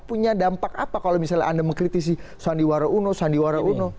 punya dampak apa kalau misalnya anda mengkritisi sandiwara uno sandiwara uno